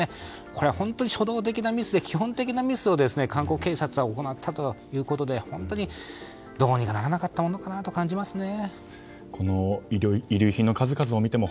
これは本当に初動的なミスで韓国警察は行ったということで本当にどうにかならなかったのかなと感じますね。